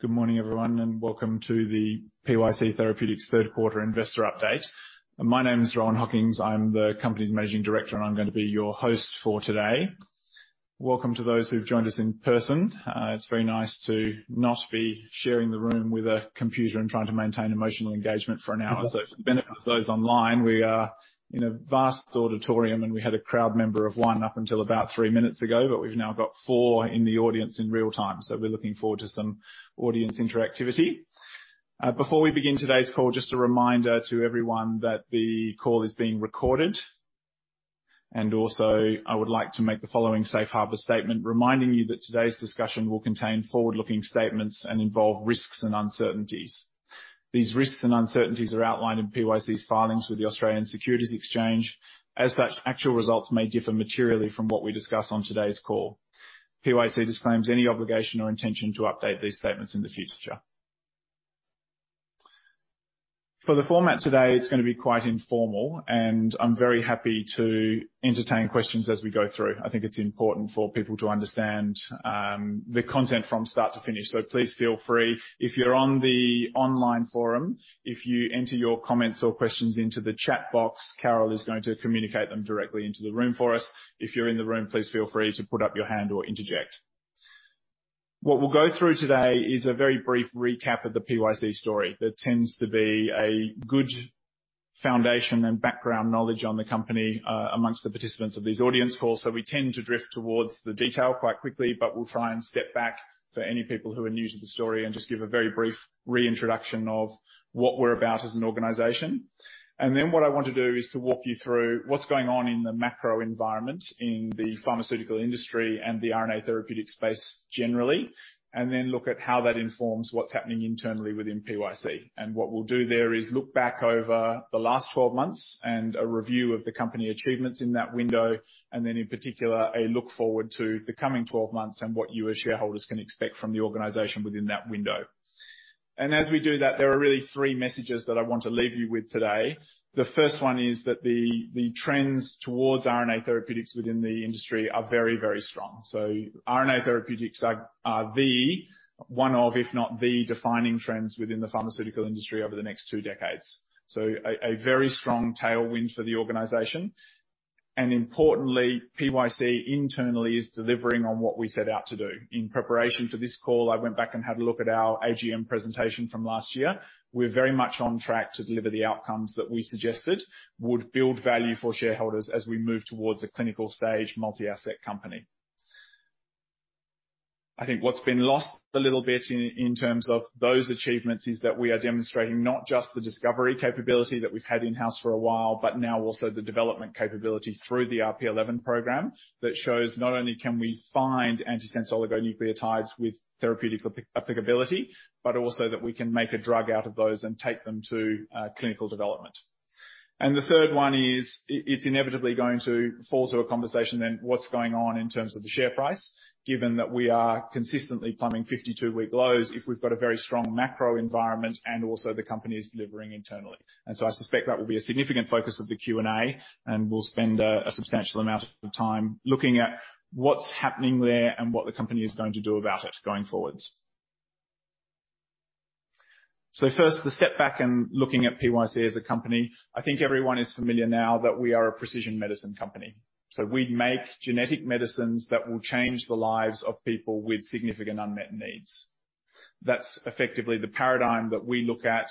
Good morning, everyone, and welcome to the PYC Therapeutics third quarter investor update. My name is Rohan Hockings. I'm the company's managing director, and I'm gonna be your host for today. Welcome to those who've joined us in person. It's very nice to not be sharing the room with a computer and trying to maintain emotional engagement for an hour. For the benefit of those online, we are in a vast auditorium, and we had a crowd member of one up until about three minutes ago, but we've now got four in the audience in real-time, so we're looking forward to some audience interactivity. Before we begin today's call, just a reminder to everyone that the call is being recorded. Also, I would like to make the following safe harbor statement reminding you that today's discussion will contain forward-looking statements and involve risks and uncertainties. These risks and uncertainties are outlined in PYC's filings with the Australian Securities Exchange. As such, actual results may differ materially from what we discuss on today's call. PYC disclaims any obligation or intention to update these statements in the future. For the format today, it's gonna be quite informal, and I'm very happy to entertain questions as we go through. I think it's important for people to understand the content from start to finish. Please feel free. If you're on the online forum, if you enter your comments or questions into the chat box, Carol is going to communicate them directly into the room for us. If you're in the room, please feel free to put up your hand or interject. What we'll go through today is a very brief recap of the PYC story. There tends to be a good foundation and background knowledge on the company, among the participants of these audience calls. We tend to drift towards the detail quite quickly, but we'll try and step back for any people who are new to the story and just give a very brief reintroduction of what we're about as an organization. Then what I want to do is to walk you through what's going on in the macro environment, in the pharmaceutical industry and the RNA therapeutic space generally, and then look at how that informs what's happening internally within PYC. What we'll do there is look back over the last 12 months and a review of the company achievements in that window, and then in particular, a look forward to the coming 12 months and what you as shareholders can expect from the organization within that window. As we do that, there are really three messages that I want to leave you with today. The first one is that the trends towards RNA therapeutics within the industry are very, very strong. RNA therapeutics are one of, if not the defining trends within the pharmaceutical industry over the next two decades. A very strong tailwind for the organization. Importantly, PYC internally is delivering on what we set out to do. In preparation for this call, I went back and had a look at our AGM presentation from last year. We're very much on track to deliver the outcomes that we suggested would build value for shareholders as we move towards a clinical-stage multi-asset company. I think what's been lost a little bit in terms of those achievements is that we are demonstrating not just the discovery capability that we've had in-house for a while, but now also the development capability through the RP11 program that shows not only can we find antisense oligonucleotides with therapeutic applicability, but also that we can make a drug out of those and take them to clinical development. The third one is, it's inevitably going to fall to a conversation in what's going on in terms of the share price, given that we are consistently plumbing 52-week lows if we've got a very strong macro environment and also the company is delivering internally. I suspect that will be a significant focus of the Q&A, and we'll spend a substantial amount of time looking at what's happening there and what the company is going to do about it going forwards. First, to step back and looking at PYC as a company, I think everyone is familiar now that we are a precision medicine company. We make genetic medicines that will change the lives of people with significant unmet needs. That's effectively the paradigm that we look at,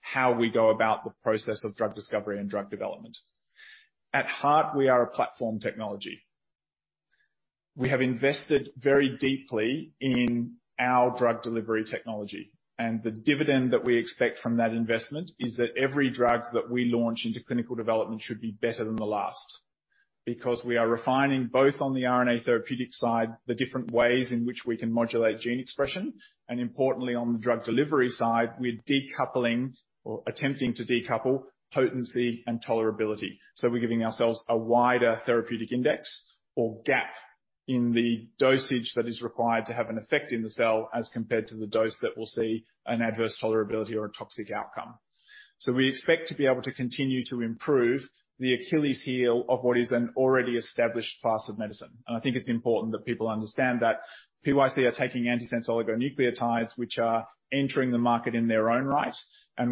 how we go about the process of drug discovery and drug development. At heart, we are a platform technology. We have invested very deeply in our drug delivery technology, and the dividend that we expect from that investment is that every drug that we launch into clinical development should be better than the last. Because we are refining both on the RNA therapeutic side, the different ways in which we can modulate gene expression, and importantly, on the drug delivery side, we're decoupling or attempting to decouple potency and tolerability. We're giving ourselves a wider therapeutic index or gap in the dosage that is required to have an effect in the cell as compared to the dose that we'll see an adverse tolerability or a toxic outcome. We expect to be able to continue to improve the Achilles heel of what is an already established class of medicine. I think it's important that people understand that PYC are taking antisense oligonucleotides, which are entering the market in their own right.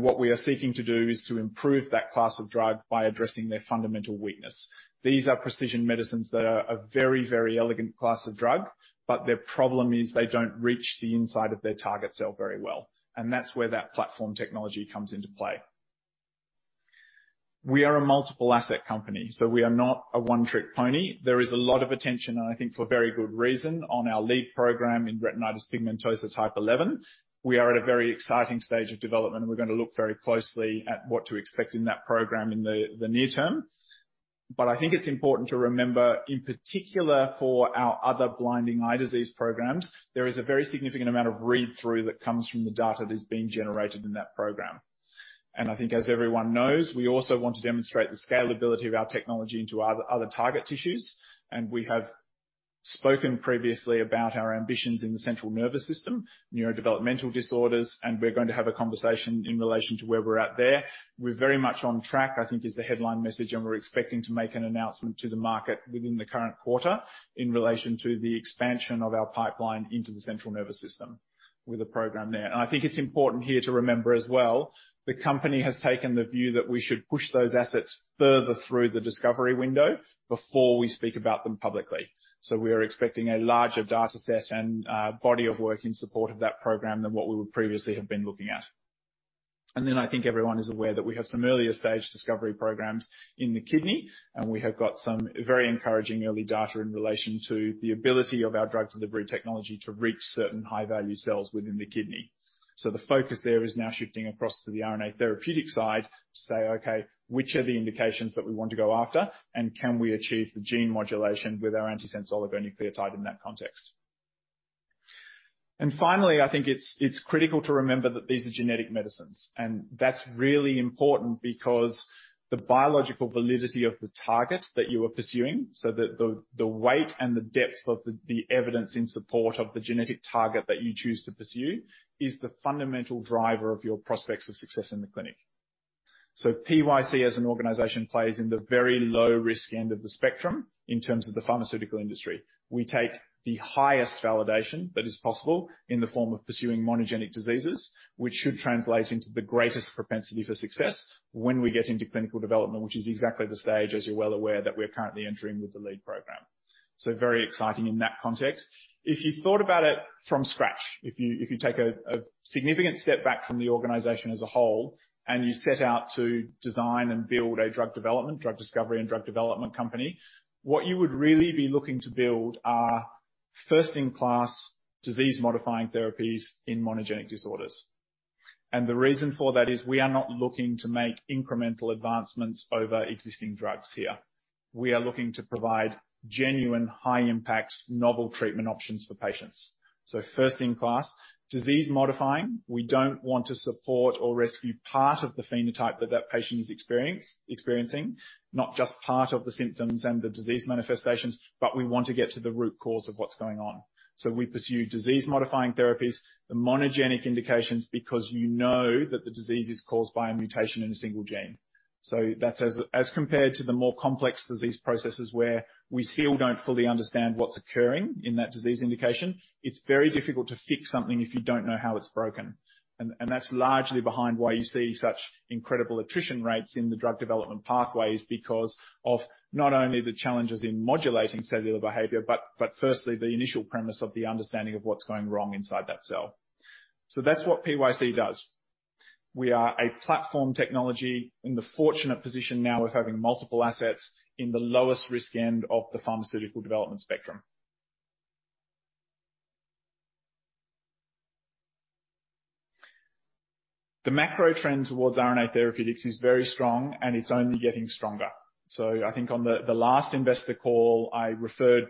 What we are seeking to do is to improve that class of drug by addressing their fundamental weakness. These are precision medicines that are a very, very elegant class of drug, but their problem is they don't reach the inside of their target cell very well. That's where that platform technology comes into play. We are a multiple asset company, so we are not a one-trick pony. There is a lot of attention, and I think for very good reason, on our lead program in Retinitis Pigmentosa Type 11. We are at a very exciting stage of development, and we're gonna look very closely at what to expect in that program in the near term. I think it's important to remember, in particular for our other blinding eye disease programs, there is a very significant amount of read-through that comes from the data that is being generated in that program. I think as everyone knows, we also want to demonstrate the scalability of our technology into other target tissues. We have spoken previously about our ambitions in the central nervous system, neurodevelopmental disorders, and we're going to have a conversation in relation to where we're at there. We're very much on track, I think is the headline message, and we're expecting to make an announcement to the market within the current quarter in relation to the expansion of our pipeline into the central nervous system with a program there. I think it's important here to remember as well, the company has taken the view that we should push those assets further through the discovery window before we speak about them publicly. We are expecting a larger data set and body of work in support of that program than what we previously have been looking at. I think everyone is aware that we have some earlier stage discovery programs in the kidney, and we have got some very encouraging early data in relation to the ability of our drug delivery technology to reach certain high-value cells within the kidney. The focus there is now shifting across to the RNA therapeutic side to say, okay, which are the indications that we want to go after, and can we achieve the gene modulation with our antisense oligonucleotide in that context? Finally, I think it's critical to remember that these are genetic medicines, and that's really important because the biological validity of the target that you are pursuing, so the weight and the depth of the evidence in support of the genetic target that you choose to pursue is the fundamental driver of your prospects of success in the clinic. PYC as an organization plays in the very low-risk end of the spectrum in terms of the pharmaceutical industry. We take the highest validation that is possible in the form of pursuing monogenic diseases, which should translate into the greatest propensity for success when we get into clinical development, which is exactly the stage, as you're well aware, that we're currently entering with the lead program. Very exciting in that context. If you thought about it from scratch, if you take a significant step back from the organization as a whole, and you set out to design and build a drug development, drug discovery and drug development company, what you would really be looking to build are first-in-class disease-modifying therapies in monogenic disorders. The reason for that is we are not looking to make incremental advancements over existing drugs here. We are looking to provide genuine high-impact, novel treatment options for patients. First-in-class disease-modifying, we don't want to support or rescue part of the phenotype that patient is experiencing, not just part of the symptoms and the disease manifestations, but we want to get to the root cause of what's going on. We pursue disease-modifying therapies, the monogenic indications, because you know that the disease is caused by a mutation in a single gene. That's as compared to the more complex disease processes where we still don't fully understand what's occurring in that disease indication. It's very difficult to fix something if you don't know how it's broken. That's largely behind why you see such incredible attrition rates in the drug development pathways because of not only the challenges in modulating cellular behavior, but firstly the initial premise of the understanding of what's going wrong inside that cell. That's what PYC does. We are a platform technology in the fortunate position now of having multiple assets in the lowest risk end of the pharmaceutical development spectrum. The macro trend towards RNA therapeutics is very strong, and it's only getting stronger. I think on the last investor call, I referred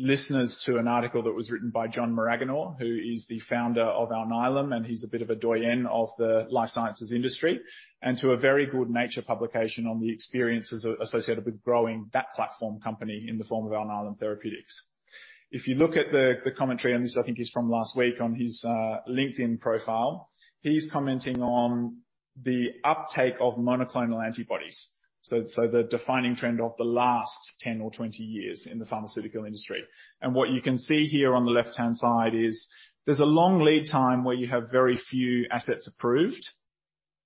listeners to an article that was written by John Maraganore, who is the founder of Alnylam, and he's a bit of a doyen of the life sciences industry, and to a very good Nature publication on the experiences associated with growing that platform company in the form of Alnylam Pharmaceuticals. If you look at the commentary, and this I think is from last week on his LinkedIn profile, he's commenting on the uptake of monoclonal antibodies, so the defining trend of the last 10 or 20 years in the pharmaceutical industry. What you can see here on the left-hand side is there's a long lead time where you have very few assets approved,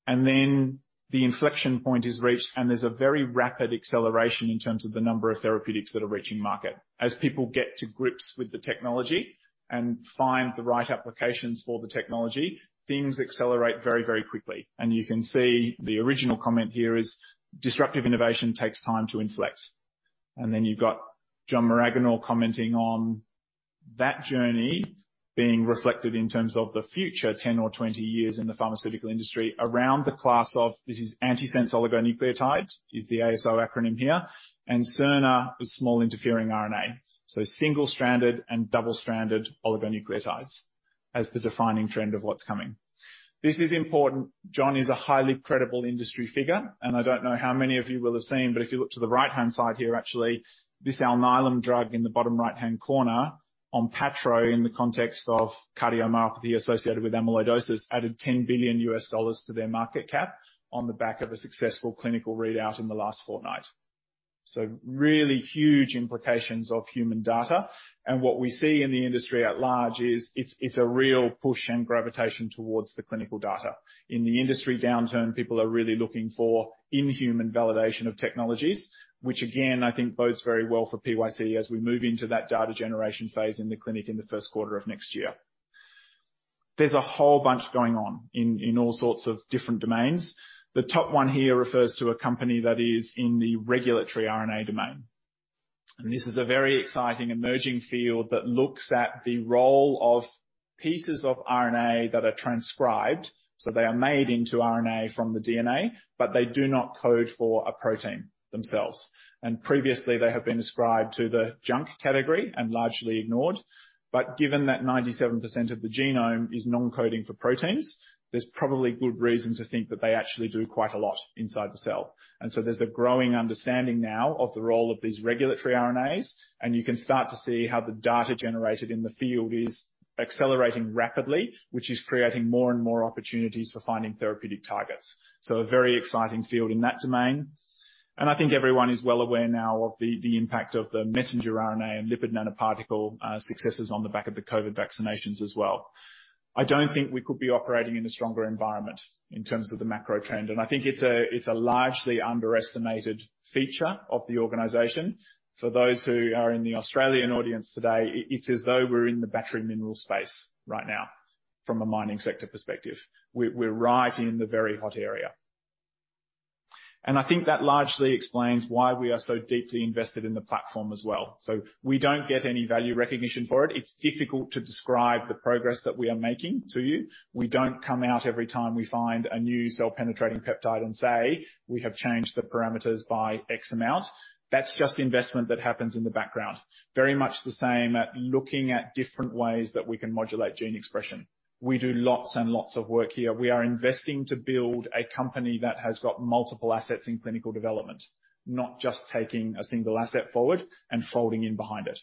and then the inflection point is reached, and there's a very rapid acceleration in terms of the number of therapeutics that are reaching market. As people get to grips with the technology and find the right applications for the technology, things accelerate very, very quickly. You can see the original comment here is, "Disruptive innovation takes time to inflect." You've got John Maraganore commenting on that journey being reflected in terms of the future 10 or 20 years in the pharmaceutical industry around the class of, this is antisense oligonucleotide, is the ASO acronym here, and siRNA is small interfering RNA. Single-stranded and double-stranded oligonucleotides as the defining trend of what's coming. This is important. John is a highly credible industry figure, and I don't know how many of you will have seen, but if you look to the right-hand side here, actually, this Alnylam drug in the bottom right-hand corner ONPATTRO in the context of cardiomyopathy associated with amyloidosis, added $10 billion to their market cap on the back of a successful clinical readout in the last fortnight. Really huge implications of human data. What we see in the industry at large is it's a real push and gravitation towards the clinical data. In the industry downturn, people are really looking for in-human validation of technologies, which again, I think bodes very well for PYC as we move into that data generation phase in the clinic in the first quarter of next year. There's a whole bunch going on in all sorts of different domains. The top one here refers to a company that is in the Regulatory RNA domain. This is a very exciting emerging field that looks at the role of pieces of RNA that are transcribed, so they are made into RNA from the DNA, but they do not code for a protein themselves. Previously, they have been ascribed to the junk category and largely ignored. Given that 97% of the genome is non-coding for proteins, there's probably good reason to think that they actually do quite a lot inside the cell. There's a growing understanding now of the role of these regulatory RNAs, and you can start to see how the data generated in the field is accelerating rapidly, which is creating more and more opportunities for finding therapeutic targets. A very exciting field in that domain. I think everyone is well aware now of the impact of the messenger RNA and lipid nanoparticle successes on the back of the COVID vaccinations as well. I don't think we could be operating in a stronger environment in terms of the macro trend, and I think it's a largely underestimated feature of the organization. For those who are in the Australian audience today, it's as though we're in the battery mineral space right now from a mining sector perspective. We're right in the very hot area. I think that largely explains why we are so deeply invested in the platform as well. We don't get any value recognition for it. It's difficult to describe the progress that we are making to you. We don't come out every time we find a new cell-penetrating peptide and say, "We have changed the parameters by x amount." That's just investment that happens in the background. Very much the same as looking at different ways that we can modulate gene expression. We do lots and lots of work here. We are investing to build a company that has got multiple assets in clinical development, not just taking a single asset forward and folding in behind it.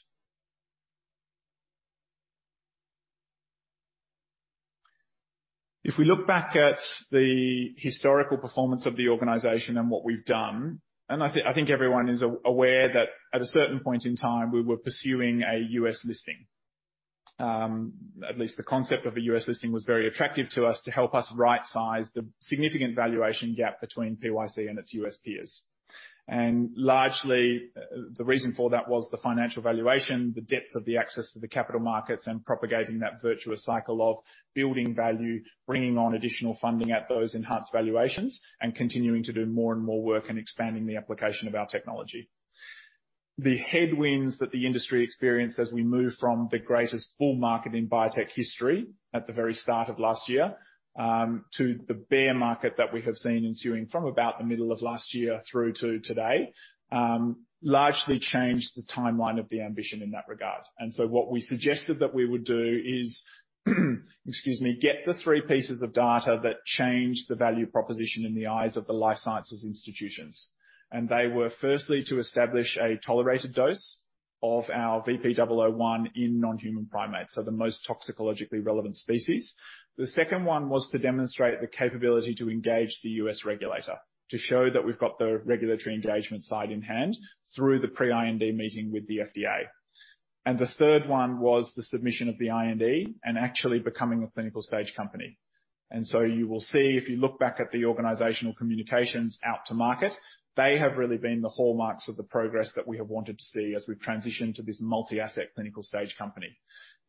If we look back at the historical performance of the organization and what we've done, I think everyone is aware that at a certain point in time, we were pursuing a U.S. listing. At least the concept of a U.S. listing was very attractive to us to help us rightsize the significant valuation gap between PYC and its U.S. peers. Largely, the reason for that was the financial valuation, the depth of the access to the capital markets, and propagating that virtuous cycle of building value, bringing on additional funding at those enhanced valuations, and continuing to do more and more work and expanding the application of our technology. The headwinds that the industry experienced as we moved from the greatest bull market in biotech history at the very start of last year to the bear market that we have seen ensuing from about the middle of last year through to today largely changed the timeline of the ambition in that regard. What we suggested that we would do is, excuse me, get the three pieces of data that change the value proposition in the eyes of the life sciences institutions. They were firstly to establish a tolerated dose of our VP-001 in non-human primates, so the most toxicologically relevant species. The second one was to demonstrate the capability to engage the U.S. regulator to show that we've got the regulatory engagement side in hand through the pre-IND meeting with the FDA. The third one was the submission of the IND and actually becoming a clinical stage company. You will see, if you look back at the organizational communications out to market, they have really been the hallmarks of the progress that we have wanted to see as we've transitioned to this multi-asset clinical stage company.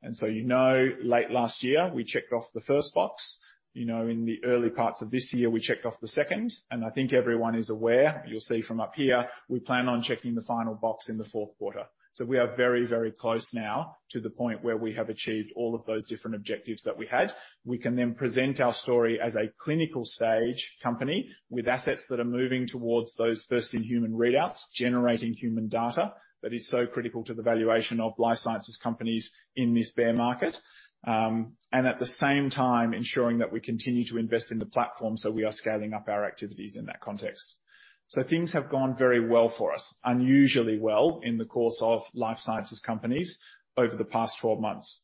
You know, late last year, we checked off the first box. You know, in the early parts of this year, we checked off the second, and I think everyone is aware, you'll see from up here, we plan on checking the final box in the fourth quarter. We are very, very close now to the point where we have achieved all of those different objectives that we had. We can then present our story as a clinical stage company with assets that are moving towards those first in human readouts, generating human data that is so critical to the valuation of life sciences companies in this bear market. At the same time, ensuring that we continue to invest in the platform, so we are scaling up our activities in that context. Things have gone very well for us, unusually well in the course of life sciences companies over the past 12 months.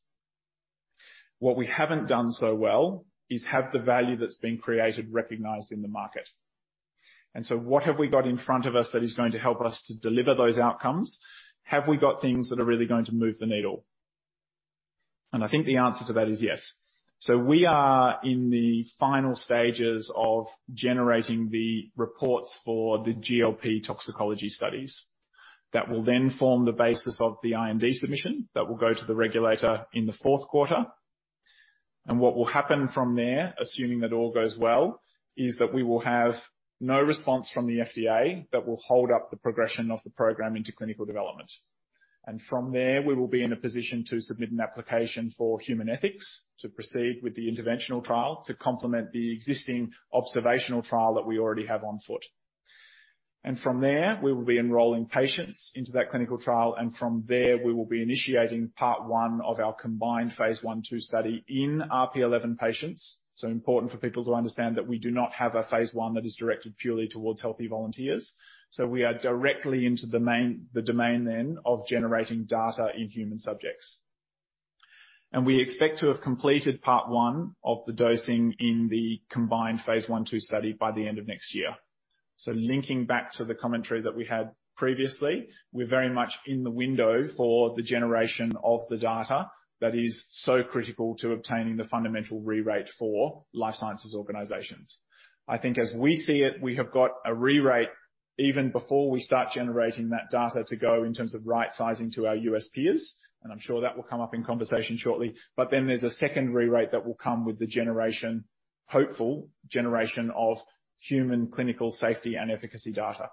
What we haven't done so well is have the value that's been created recognized in the market. What have we got in front of us that is going to help us to deliver those outcomes? Have we got things that are really going to move the needle? I think the answer to that is yes. We are in the final stages of generating the reports for the GLP toxicology studies that will then form the basis of the IND submission that will go to the regulator in the fourth quarter. What will happen from there, assuming that all goes well, is that we will have no response from the FDA that will hold up the progression of the program into clinical development. From there, we will be in a position to submit an application for human ethics to proceed with the interventional trial to complement the existing observational trial that we already have on foot. From there, we will be enrolling patients into that clinical trial, and from there, we will be initiating part one of our combined Phase I/II study in RP11 patients. Important for people to understand that we do not have a Phase I that is directed purely towards healthy volunteers. We are directly into the main, the domain then of generating data in human subjects. We expect to have completed part one of the dosing in the combined Phase I/II study by the end of next year. Linking back to the commentary that we had previously, we're very much in the window for the generation of the data that is so critical to obtaining the fundamental rerate for life sciences organizations. I think as we see it, we have got a rerate even before we start generating that data to go in terms of rightsizing to our U.S. peers, and I'm sure that will come up in conversation shortly. There's a second re-rate that will come with the generation, hopeful generation, of human clinical safety and efficacy data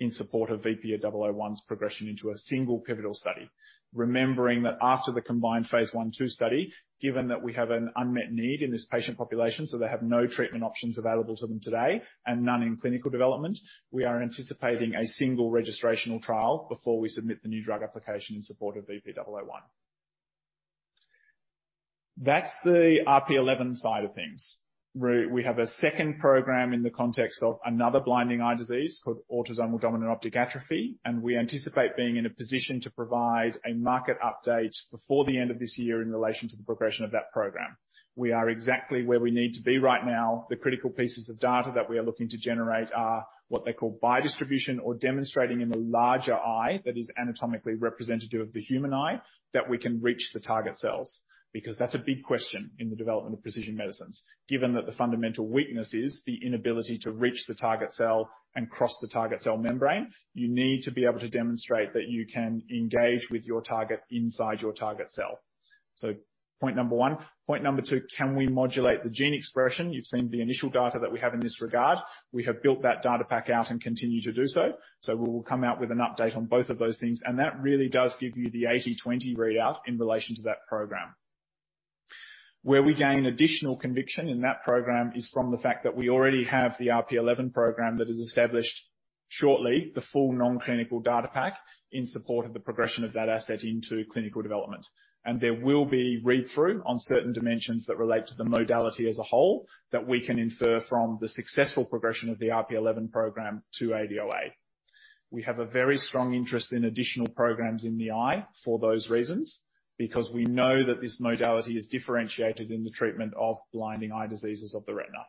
in support of VP-001's progression into a single pivotal study. Remembering that after the combined Phase I/II study, given that we have an unmet need in this patient population, so they have no treatment options available to them today and none in clinical development, we are anticipating a single registrational trial before we submit the New Drug Application in support of VP-001. That's the RP11 side of things. We have a second program in the context of another blinding eye disease called autosomal dominant optic atrophy, and we anticipate being in a position to provide a market update before the end of this year in relation to the progression of that program. We are exactly where we need to be right now. The critical pieces of data that we are looking to generate are what they call biodistribution or demonstrating in the larger eye that is anatomically representative of the human eye, that we can reach the target cells. Because that's a big question in the development of precision medicines. Given that the fundamental weakness is the inability to reach the target cell and cross the target cell membrane, you need to be able to demonstrate that you can engage with your target inside your target cell. Point number one. Point number two, can we modulate the gene expression? You've seen the initial data that we have in this regard. We have built that data pack out and continue to do so. We will come out with an update on both of those things, and that really does give you the 80/20 readout in relation to that program. Where we gain additional conviction in that program is from the fact that we already have the RP11 program that has established shortly the full non-clinical data pack in support of the progression of that asset into clinical development. There will be read-through on certain dimensions that relate to the modality as a whole, that we can infer from the successful progression of the RP11 program to ADOA. We have a very strong interest in additional programs in the eye for those reasons, because we know that this modality is differentiated in the treatment of blinding eye diseases of the retina.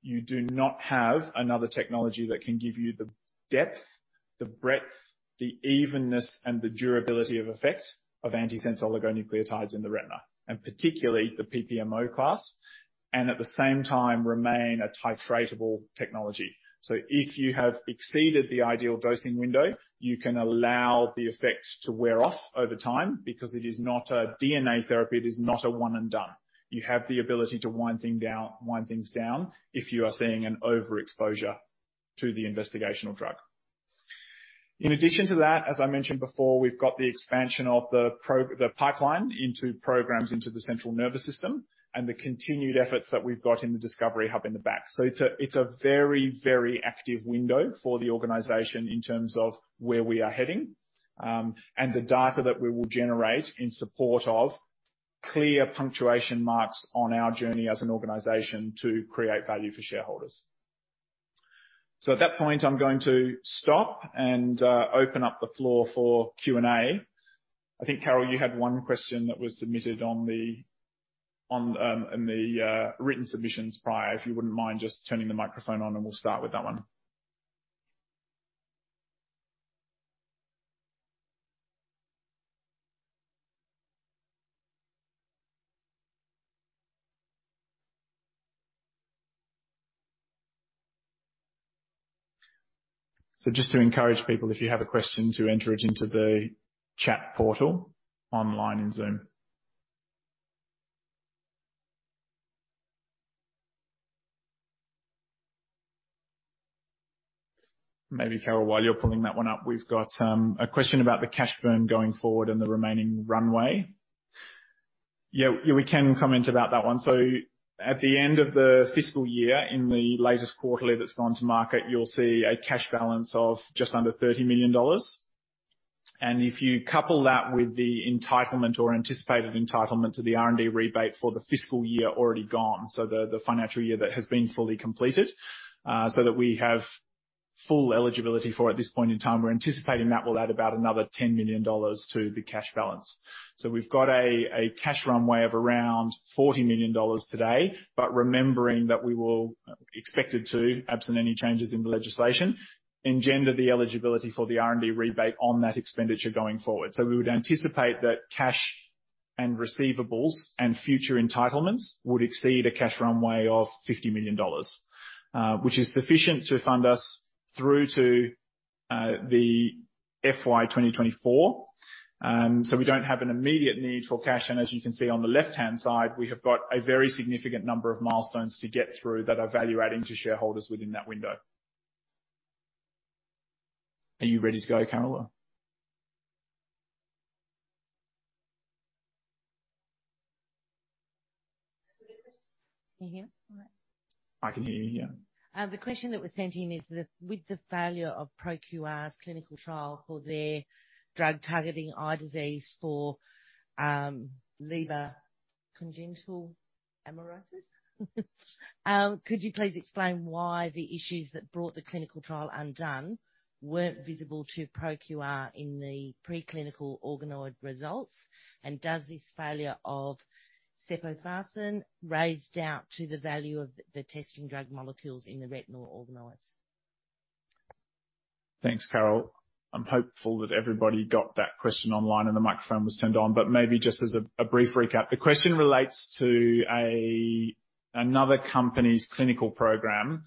You do not have another technology that can give you the depth, the breadth, the evenness, and the durability of effect of antisense oligonucleotides in the retina, and particularly the PPMO class, and at the same time remain a titratable technology. If you have exceeded the ideal dosing window, you can allow the effects to wear off over time because it is not a DNA therapy, it is not a one and done. You have the ability to wind things down if you are seeing an overexposure to the investigational drug. In addition to that, as I mentioned before, we've got the expansion of the pipeline into programs into the central nervous system and the continued efforts that we've got in the discovery hub in the back. It's a very, very active window for the organization in terms of where we are heading, and the data that we will generate in support of clear punctuation marks on our journey as an organization to create value for shareholders. At that point, I'm going to stop and open up the floor for Q&A. I think, Carol, you had one question that was submitted in the written submissions prior. If you wouldn't mind just turning the microphone on, and we'll start with that one. Just to encourage people, if you have a question, to enter it into the chat portal online in Zoom. Maybe, Carol, while you're pulling that one up, we've got a question about the cash burn going forward and the remaining runway. Yeah, we can comment about that one. At the end of the fiscal year, in the latest quarterly that's gone to market, you'll see a cash balance of just under 30 million dollars. If you couple that with the entitlement or anticipated entitlement to the R&D rebate for the fiscal year already gone, the financial year that has been fully completed, so that we have full eligibility. At this point in time, we're anticipating that will add about another 10 million dollars to the cash balance. We've got a cash runway of around 40 million dollars today, but remembering that we're expected to, absent any changes in the legislation, engender the eligibility for the R&D rebate on that expenditure going forward. We would anticipate that cash and receivables and future entitlements would exceed a cash runway of 50 million dollars, which is sufficient to fund us through to the FY 2024. We don't have an immediate need for cash. As you can see on the left-hand side, we have got a very significant number of milestones to get through that are value-adding to shareholders within that window. Are you ready to go, Carol? Can you hear me all right? I can hear you, yeah. The question that was sent in is that with the failure of ProQR's clinical trial for their drug targeting eye disease for Leber Congenital Amaurosis, could you please explain why the issues that brought the clinical trial undone weren't visible to ProQR in the preclinical organoid results? Does this failure of sepofarsen raise doubt to the value of the testing drug molecules in the retinal organoids? Thanks, Carol. I'm hopeful that everybody got that question online and the microphone was turned on, but maybe just as a brief recap. The question relates to another company's clinical program.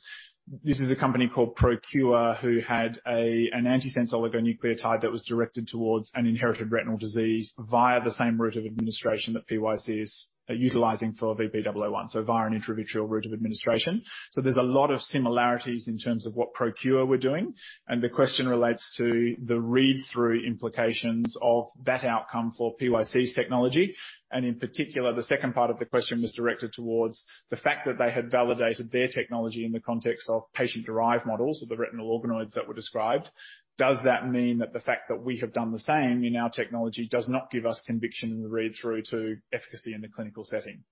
This is a company called ProQR, who had an antisense oligonucleotide that was directed towards an inherited retinal disease via the same route of administration that PYC is utilizing for VP-001, so via an intravitreal route of administration. There's a lot of similarities in terms of what ProQR were doing, and the question relates to the read-through implications of that outcome for PYC's technology. In particular, the second part of the question was directed towards the fact that they had validated their technology in the context of patient-derived models of the retinal organoids that were described. Does that mean that the fact that we have done the same in our technology does not give us conviction in the read-through to efficacy in the clinical setting?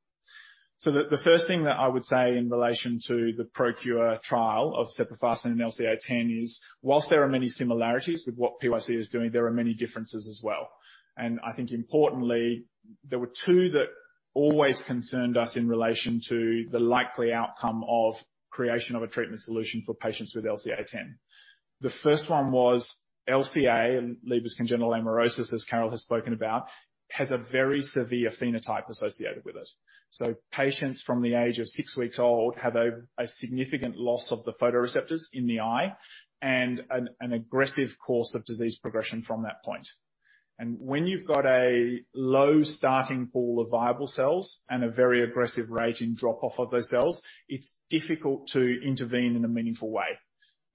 The first thing that I would say in relation to the ProQR trial of sepofarsen in LCA10 is, while there are many similarities with what PYC is doing, there are many differences as well. I think importantly, there were two that always concerned us in relation to the likely outcome of creation of a treatment solution for patients with LCA10. The first one was LCA, Leber's Congenital Amaurosis, as Carol has spoken about, has a very severe phenotype associated with it. Patients from the age of six weeks old have a significant loss of the photoreceptors in the eye and an aggressive course of disease progression from that point. When you've got a low starting pool of viable cells and a very aggressive rate of drop-off of those cells, it's difficult to intervene in a meaningful way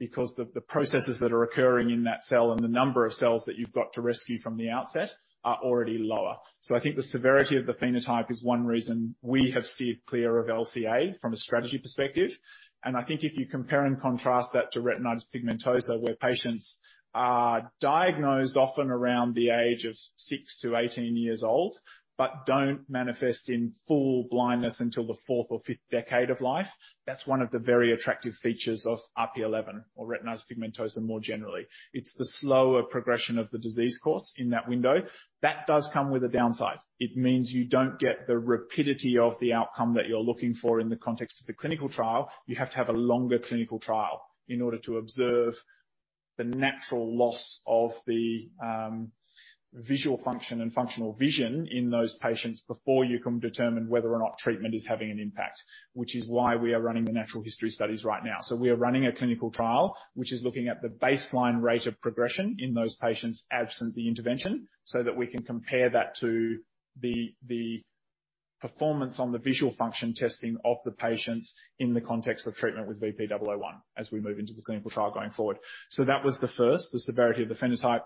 because the processes that are occurring in that cell and the number of cells that you've got to rescue from the outset are already lower. I think the severity of the phenotype is one reason we have steered clear of LCA from a strategy perspective. I think if you compare and contrast that to Retinitis Pigmentosa, where patients are diagnosed often around the age of six to 18 years old, but don't manifest in full blindness until the fourth or fifth decade of life, that's one of the very attractive features of RP11 or Retinitis Pigmentosa more generally. It's the slower progression of the disease course in that window. That does come with a downside. It means you don't get the rapidity of the outcome that you're looking for in the context of the clinical trial. You have to have a longer clinical trial in order to observe the natural loss of the visual function and functional vision in those patients before you can determine whether or not treatment is having an impact, which is why we are running the natural history studies right now. We are running a clinical trial, which is looking at the baseline rate of progression in those patients absent the intervention, so that we can compare that to the performance on the visual function testing of the patients in the context of treatment with VP-001 as we move into the clinical trial going forward. That was the first, the severity of the phenotype.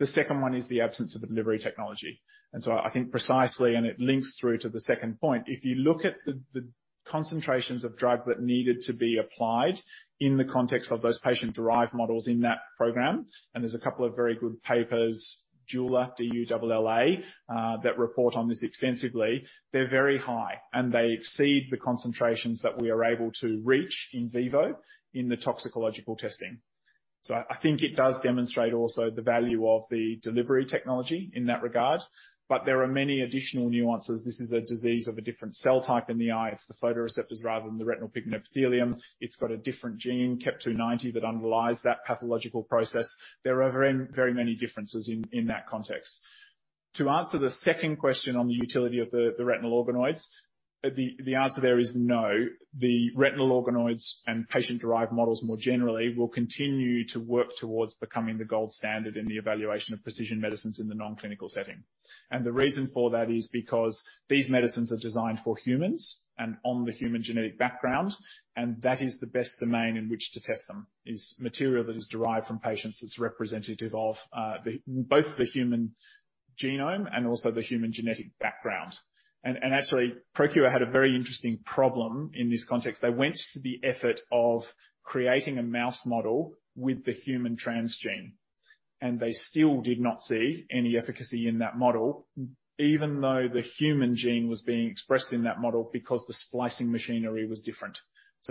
The second one is the absence of the delivery technology. I think precisely, and it links through to the second point, if you look at the concentrations of drug that needed to be applied in the context of those patient-derived models in that program, and there's a couple of very good papers, Dulla, D-U-L-L-A, that report on this extensively. They're very high, and they exceed the concentrations that we are able to reach in vivo in the toxicological testing. I think it does demonstrate also the value of the delivery technology in that regard, but there are many additional nuances. This is a disease of a different cell type in the eye. It's the photoreceptors rather than the retinal pigment epithelium. It's got a different gene, CEP290, that underlies that pathological process. There are very, very many differences in that context. To answer the second question on the utility of the retinal organoids, the answer there is no. The retinal organoids and patient-derived models more generally will continue to work towards becoming the gold standard in the evaluation of precision medicines in the non-clinical setting. The reason for that is because these medicines are designed for humans and on the human genetic background, and that is the best domain in which to test them, is material that is derived from patients that's representative of both the human genome and also the human genetic background. Actually, ProQR had a very interesting problem in this context. They went to the effort of creating a mouse model with the human transgene, and they still did not see any efficacy in that model, even though the human gene was being expressed in that model because the splicing machinery was different.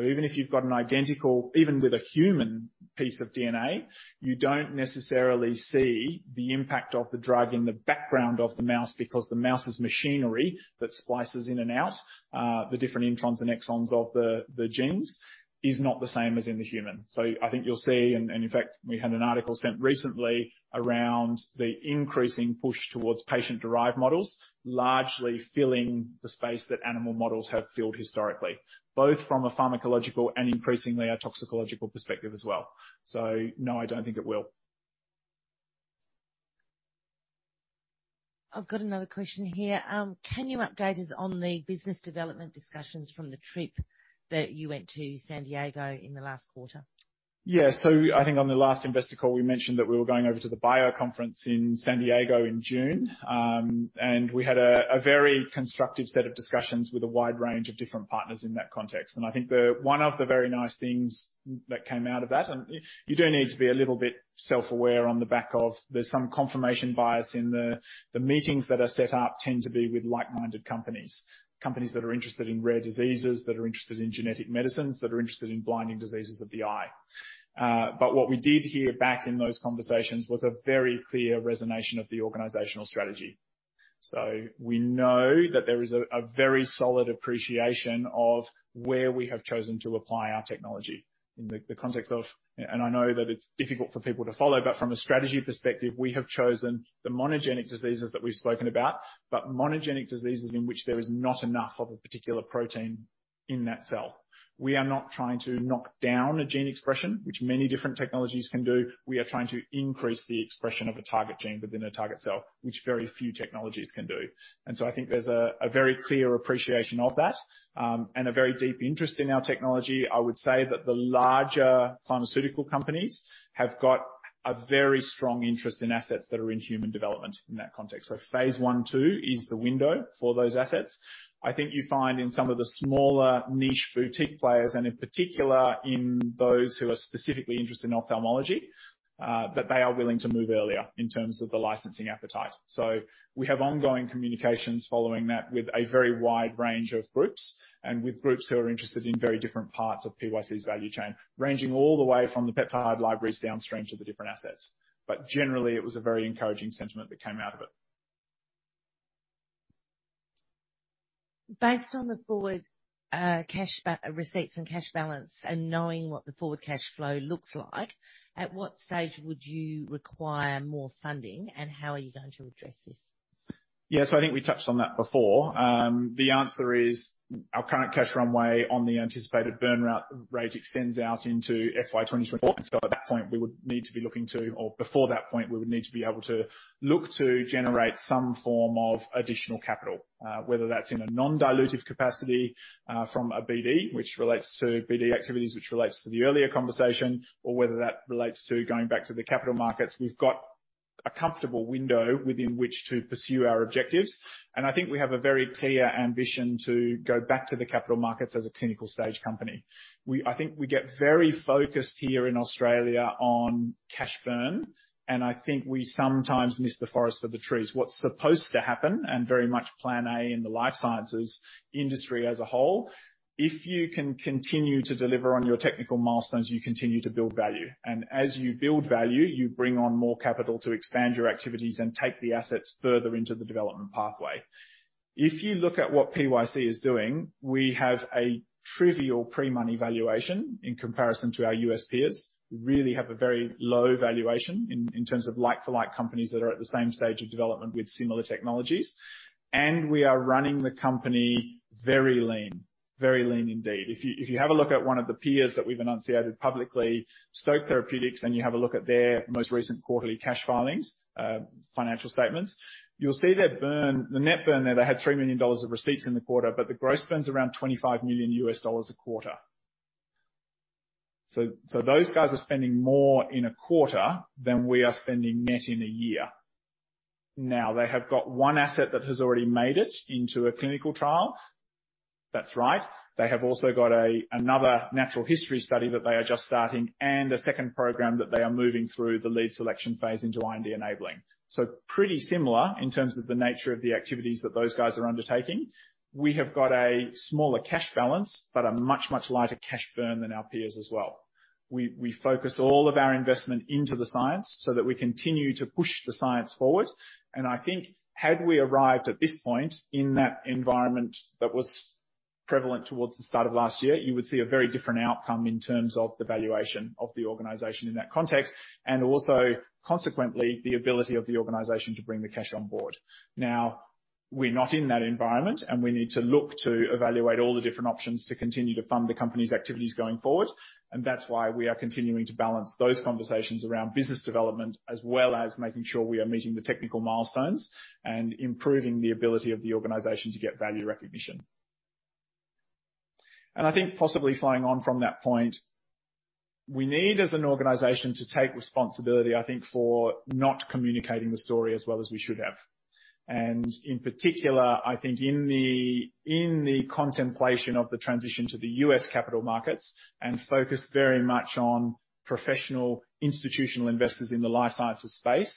Even if you've got an identical, even with a human piece of DNA, you don't necessarily see the impact of the drug in the background of the mouse because the mouse's machinery that splices in and out the different introns and exons of the genes is not the same as in the human. I think you'll see, and in fact, we had an article sent recently around the increasing push towards patient-derived models, largely filling the space that animal models have filled historically, both from a pharmacological and increasingly a toxicological perspective as well. No, I don't think it will. I've got another question here. Can you update us on the business development discussions from the trip that you went to San Diego in the last quarter? Yeah. I think on the last investor call, we mentioned that we were going over to the BIO conference in San Diego in June. We had a very constructive set of discussions with a wide range of different partners in that context. I think one of the very nice things that came out of that, and you do need to be a little bit self-aware on the back of there's some confirmation bias in the meetings that are set up tend to be with like-minded companies. Companies that are interested in rare diseases, that are interested in genetic medicines, that are interested in blinding diseases of the eye. What we did hear back in those conversations was a very clear resonance of the organizational strategy. We know that there is a very solid appreciation of where we have chosen to apply our technology in the context of, and I know that it's difficult for people to follow, but from a strategy perspective, we have chosen the monogenic diseases that we've spoken about, but monogenic diseases in which there is not enough of a particular protein in that cell. We are not trying to knock down a gene expression, which many different technologies can do. We are trying to increase the expression of a target gene within a target cell, which very few technologies can do. I think there's a very clear appreciation of that, and a very deep interest in our technology. I would say that the larger pharmaceutical companies have got a very strong interest in assets that are in human development in that context. Phase I/II is the window for those assets. I think you find in some of the smaller niche boutique players, and in particular in those who are specifically interested in ophthalmology, that they are willing to move earlier in terms of the licensing appetite. We have ongoing communications following that with a very wide range of groups and with groups who are interested in very different parts of PYC's value chain, ranging all the way from the peptide libraries downstream to the different assets. Generally, it was a very encouraging sentiment that came out of it. Based on the forward cash receipts and cash balance, and knowing what the forward cash flow looks like, at what stage would you require more funding, and how are you going to address this? Yeah. I think we touched on that before. The answer is our current cash runway on the anticipated burn rate extends out into FY 2024, and so at that point, we would need to be looking to, or before that point, we would need to be able to look to generate some form of additional capital, whether that's in a non-dilutive capacity, from a BD, which relates to BD activities, which relates to the earlier conversation, or whether that relates to going back to the capital markets. We've got a comfortable window within which to pursue our objectives, and I think we have a very clear ambition to go back to the capital markets as a clinical stage company. I think we get very focused here in Australia on cash burn, and I think we sometimes miss the forest for the trees. What's supposed to happen, and very much plan A in the life sciences industry as a whole, if you can continue to deliver on your technical milestones, you continue to build value. As you build value, you bring on more capital to expand your activities and take the assets further into the development pathway. If you look at what PYC is doing, we have a trivial pre-money valuation in comparison to our U.S. peers. We really have a very low valuation in terms of like-for-like companies that are at the same stage of development with similar technologies. We are running the company very lean, very lean indeed. If you have a look at one of the peers that we've mentioned publicly, Stoke Therapeutics, and you have a look at their most recent quarterly cash filings, financial statements, you'll see their burn, the net burn there. They had $3 million of receipts in the quarter, but the gross burn's around $25 million a quarter. So those guys are spending more in a quarter than we are spending net in a year. Now, they have got one asset that has already made it into a clinical trial. That's right. They have also got another natural history study that they are just starting and a second program that they are moving through the lead selection phase into IND-enabling. So pretty similar in terms of the nature of the activities that those guys are undertaking. We have got a smaller cash balance, but a much, much lighter cash burn than our peers as well. We focus all of our investment into the science so that we continue to push the science forward. I think had we arrived at this point in that environment that was prevalent towards the start of last year, you would see a very different outcome in terms of the valuation of the organization in that context, and also consequently, the ability of the organization to bring the cash on board. Now, we're not in that environment, and we need to look to evaluate all the different options to continue to fund the company's activities going forward. That's why we are continuing to balance those conversations around business development, as well as making sure we are meeting the technical milestones and improving the ability of the organization to get value recognition. I think possibly following on from that point, we need, as an organization, to take responsibility, I think, for not communicating the story as well as we should have. In particular, I think in the, in the contemplation of the transition to the US capital markets and focus very much on professional institutional investors in the life sciences space,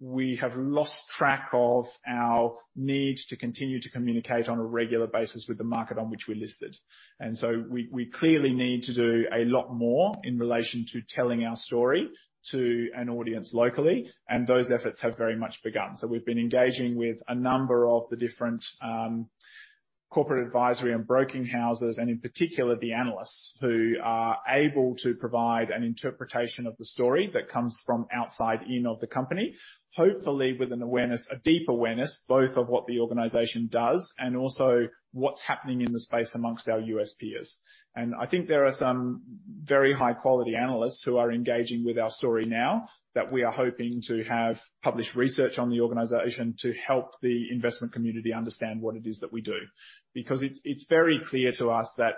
we have lost track of our need to continue to communicate on a regular basis with the market on which we're listed. We clearly need to do a lot more in relation to telling our story to an audience locally, and those efforts have very much begun. We've been engaging with a number of the different corporate advisory and broking houses, and in particular, the analysts who are able to provide an interpretation of the story that comes from outside in of the company, hopefully with an awareness, a deep awareness, both of what the organization does and also what's happening in the space amongst our U.S. peers. I think there are some very high-quality analysts who are engaging with our story now that we are hoping to have published research on the organization to help the investment community understand what it is that we do. Because it's very clear to us that,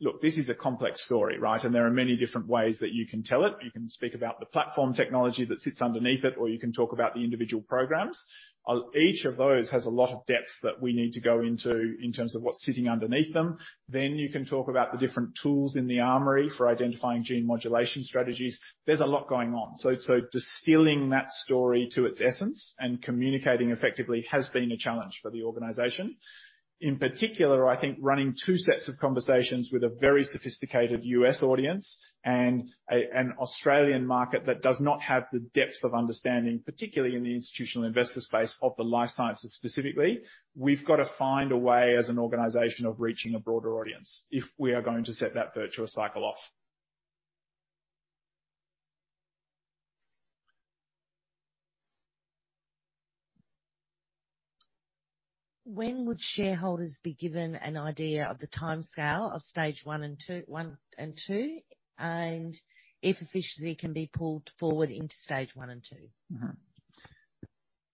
look, this is a complex story, right? There are many different ways that you can tell it. You can speak about the platform technology that sits underneath it, or you can talk about the individual programs. Each of those has a lot of depth that we need to go into in terms of what's sitting underneath them. You can talk about the different tools in the armory for identifying gene modulation strategies. There's a lot going on. Distilling that story to its essence and communicating effectively has been a challenge for the organization. In particular, I think running two sets of conversations with a very sophisticated U.S. audience and a, an Australian market that does not have the depth of understanding, particularly in the institutional investor space of the life sciences specifically, we've got to find a way as an organization of reaching a broader audience if we are going to set that virtuous cycle off. When would shareholders be given an idea of the timescale of stage one and two, and if efficiency can be pulled forward into stage one and two?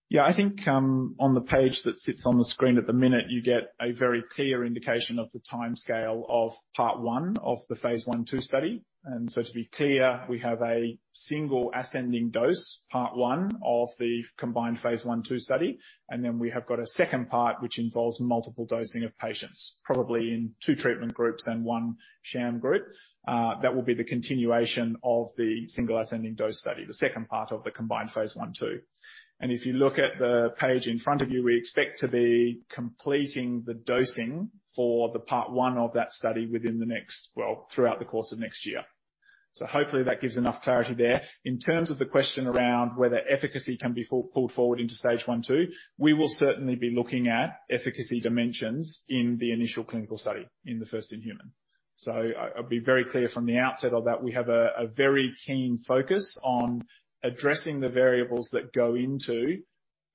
Yeah, I think, on the page that sits on the screen at the minute, you get a very clear indication of the timescale of part 1 of the Phase I/II study. To be clear, we have a single ascending dose, part 1 of the combined Phase I/II study. We have got a second part which involves multiple dosing of patients, probably in two treatment groups and one sham group. That will be the continuation of the single ascending dose study, the second part of the combined Phase I/II. If you look at the page in front of you, we expect to be completing the dosing for the part 1 of that study within the next, well, throughout the course of next year. Hopefully that gives enough clarity there. In terms of the question around whether efficacy can be pulled forward into Phase I/II, we will certainly be looking at efficacy dimensions in the initial clinical study, in the first in human. I'll be very clear from the outset of that, we have a very keen focus on addressing the variables that go into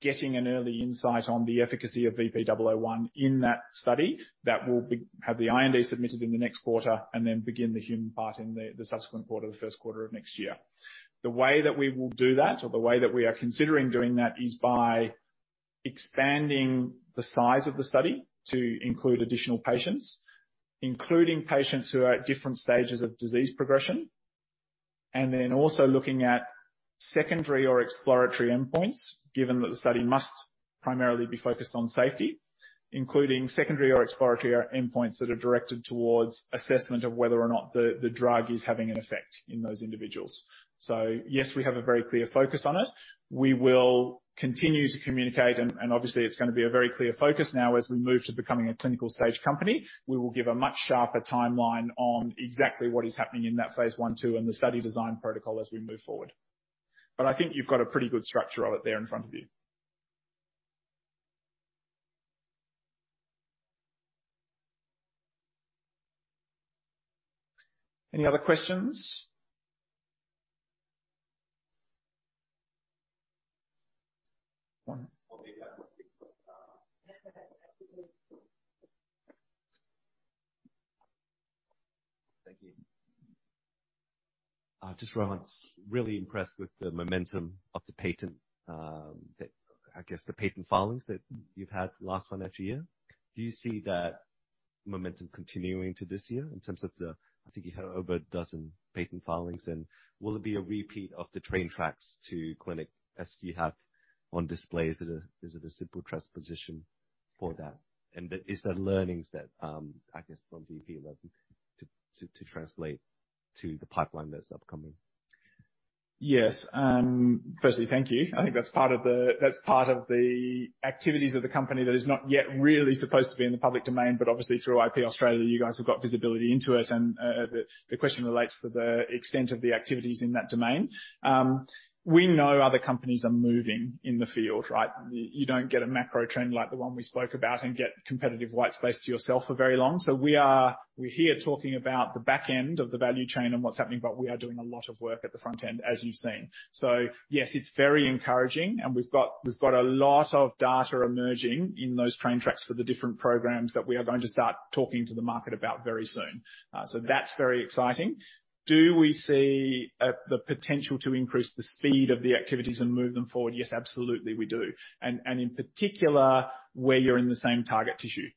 getting an early insight on the efficacy of VP-001 in that study that will have the IND submitted in the next quarter and then begin the human part in the subsequent quarter, the first quarter of next year. The way that we will do that or the way that we are considering doing that is by expanding the size of the study to include additional patients, including patients who are at different stages of disease progression. Then also looking at secondary or exploratory endpoints, given that the study must primarily be focused on safety, including secondary or exploratory endpoints that are directed towards assessment of whether or not the drug is having an effect in those individuals. Yes, we have a very clear focus on it. We will continue to communicate, and obviously it's gonna be a very clear focus now as we move to becoming a clinical stage company. We will give a much sharper timeline on exactly what is happening in that Phase I/II and the study design protocol as we move forward. I think you've got a pretty good structure of it there in front of you. Any other questions? Thank you. Just really impressed with the momentum of the patents, I guess the patent filings that you've had last year, one every year. Do you see that momentum continuing to this year in terms of, I think you had over a dozen patent filings? Will it be a repeat of the patent track to clinic as you have on display? Is it a simple transition for that? Is there learnings that, I guess from VP-001 to translate to the pipeline that's upcoming? Yes. Firstly, thank you. I think that's part of the activities of the company that is not yet really supposed to be in the public domain, but obviously through IP Australia, you guys have got visibility into it. The question relates to the extent of the activities in that domain. We know other companies are moving in the field, right? You don't get a macro trend like the one we spoke about and get competitive white space to yourself for very long. We're here talking about the back end of the value chain and what's happening, but we are doing a lot of work at the front end, as you've seen. Yes, it's very encouraging. We've got a lot of data emerging in those train tracks for the different programs that we are going to start talking to the market about very soon. That's very exciting. Do we see the potential to increase the speed of the activities and move them forward? Yes, absolutely, we do. In particular, where you're in the same target tissue.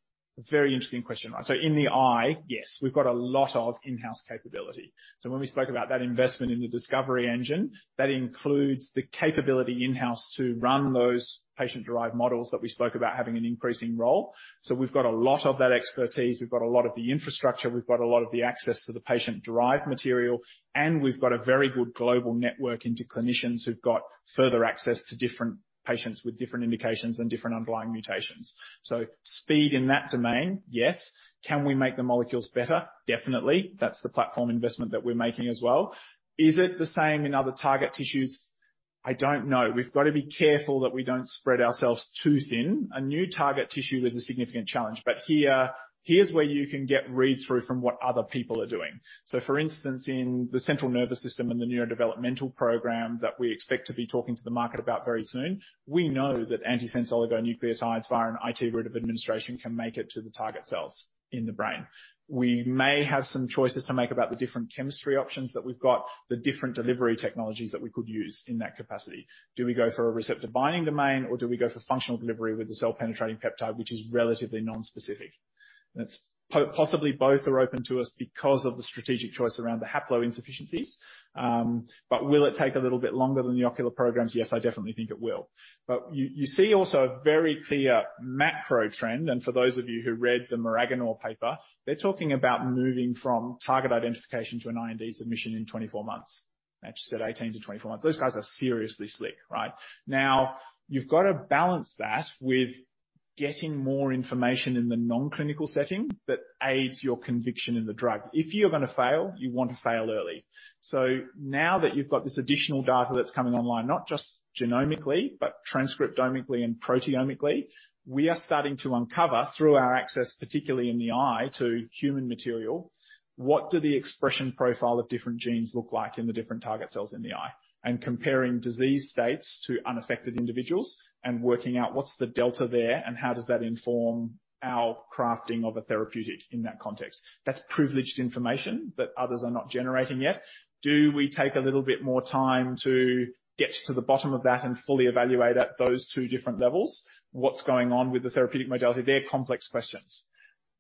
Very interesting question. In the eye, yes. We've got a lot of in-house capability. When we spoke about that investment in the discovery engine, that includes the capability in-house to run those patient-derived models that we spoke about having an increasing role. We've got a lot of that expertise, we've got a lot of the infrastructure, we've got a lot of the access to the patient-derived material, and we've got a very good global network into clinicians who've got further access to different patients with different indications and different underlying mutations. Speed in that domain, yes. Can we make the molecules better? Definitely. That's the platform investment that we're making as well. Is it the same in other target tissues? I don't know. We've got to be careful that we don't spread ourselves too thin. A new target tissue is a significant challenge, but here's where you can get read-through from what other people are doing. For instance, in the central nervous system and the neurodevelopmental program that we expect to be talking to the market about very soon, we know that antisense oligonucleotides via an intrathecal route of administration can make it to the target cells in the brain. We may have some choices to make about the different chemistry options that we've got, the different delivery technologies that we could use in that capacity. Do we go for a receptor-binding domain, or do we go for functional delivery with the cell-penetrating peptide, which is relatively nonspecific? That's possibly both are open to us because of the strategic choice around the haploinsufficiencies. Will it take a little bit longer than the ocular programs? Yes, I definitely think it will. You see also a very clear macro trend, and for those of you who read the Maraganore paper, they're talking about moving from target identification to an IND submission in 24 months. Actually, they said 18-24 months. Those guys are seriously slick, right? Now, you've got to balance that with getting more information in the non-clinical setting that aids your conviction in the drug. If you're gonna fail, you want to fail early. Now that you've got this additional data that's coming online, not just genomically, but transcriptomically and proteomically, we are starting to uncover through our access, particularly in the eye to human material, what do the expression profile of different genes look like in the different target cells in the eye? Comparing disease states to unaffected individuals and working out what's the delta there and how does that inform our crafting of a therapeutic in that context. That's privileged information that others are not generating yet. Do we take a little bit more time to get to the bottom of that and fully evaluate at those two different levels what's going on with the therapeutic modality? They're complex questions.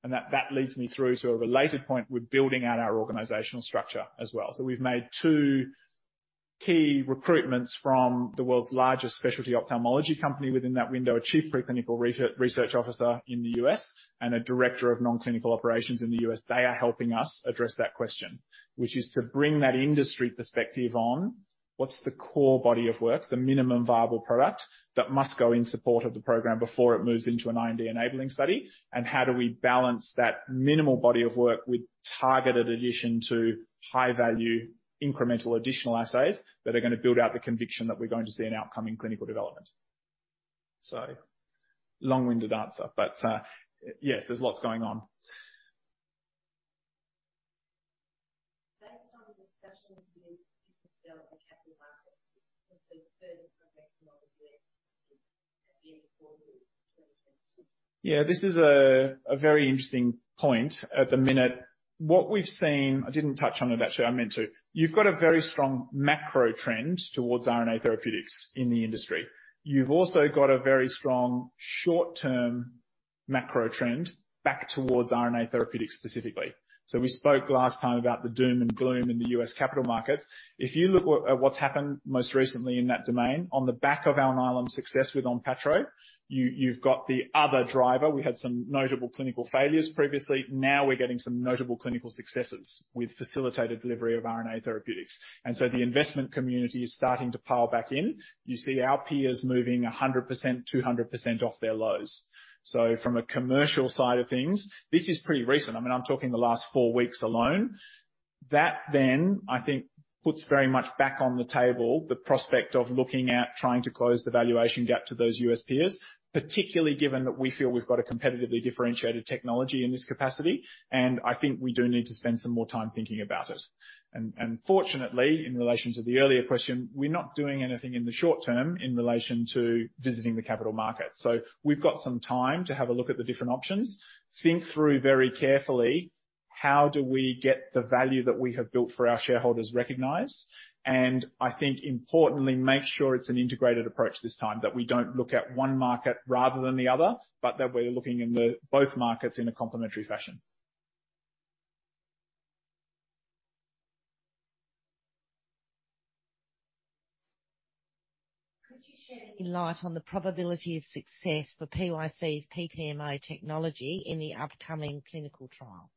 That leads me through to a related point with building out our organizational structure as well. We've made two key recruitments from the world's largest specialty ophthalmology company within that window, a chief preclinical research officer in the U.S. and a director of non-clinical operations in the U.S. They are helping us address that question, which is to bring that industry perspective on what's the core body of work, the minimum viable product that must go in support of the program before it moves into an IND-enabling study, and how do we balance that minimal body of work with targeted addition to high-value incremental additional assays that are gonna build out the conviction that we're going to see an outcome in clinical development. Long-winded answer, but, yes, there's lots going on. Based on the discussions with business development and capital markets, has there been further progress in at the end of quarter two 2022? Yeah, this is a very interesting point at the minute. What we've seen, I didn't touch on it actually, I meant to. You've got a very strong macro trend towards RNA therapeutics in the industry. You've also got a very strong short-term macro trend back towards RNA therapeutics specifically. We spoke last time about the doom and gloom in the US capital markets. If you look at what's happened most recently in that domain, on the back of our Alnylam success with ONPATTRO, you've got the other driver. We had some notable clinical failures previously. Now we're getting some notable clinical successes with facilitated delivery of RNA therapeutics. The investment community is starting to pile back in. You see our peers moving 100%, 200% off their lows. From a commercial side of things, this is pretty recent. I mean, I'm talking the last four weeks alone. That then, I think, puts very much back on the table the prospect of looking at trying to close the valuation gap to those U.S. peers, particularly given that we feel we've got a competitively differentiated technology in this capacity, and I think we do need to spend some more time thinking about it. Fortunately, in relation to the earlier question, we're not doing anything in the short term in relation to visiting the capital market. We've got some time to have a look at the different options, think through very carefully how do we get the value that we have built for our shareholders recognized, and I think importantly, make sure it's an integrated approach this time, that we don't look at one market rather than the other, but that we're looking in the both markets in a complementary fashion. Could you shed any light on the probability of success for PYC's PPMO technology in the upcoming clinical trial?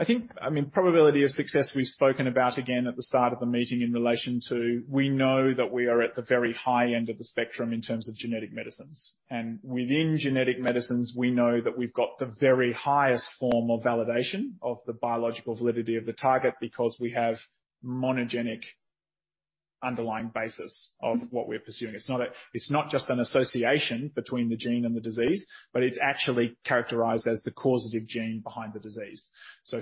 I think, I mean, probability of success, we've spoken about again at the start of the meeting in relation to we know that we are at the very high end of the spectrum in terms of genetic medicines. Within genetic medicines, we know that we've got the very highest form of validation of the biological validity of the target because we have monogenic underlying basis of what we're pursuing. It's not just an association between the gene and the disease, but it's actually characterized as the causative gene behind the disease.